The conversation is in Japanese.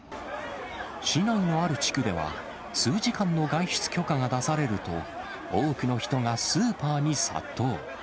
市内のある地区では、数時間の外出許可が出されると、多くの人がスーパーに殺到。